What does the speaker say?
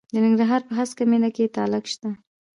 د ننګرهار په هسکه مینه کې تالک شته.